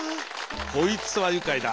「こいつはゆかいだ」。